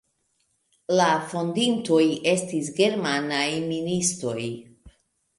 La fondintoj estis germanaj ministoj.